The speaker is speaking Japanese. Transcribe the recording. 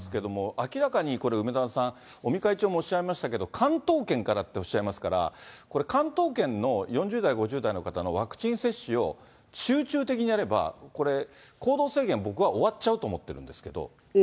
明らかにこれ、梅沢さん、尾身会長もおっしゃいましたけれども、関東圏からっておっしゃいますから、これ、関東圏の４０代、５０代の方のワクチン接種を集中的にやれば、これ、行動制限、僕は終わっちゃうと思ってるんですけれども。